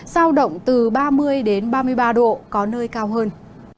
giao động từ ba mươi ba mươi ba độ có nơi cao hơn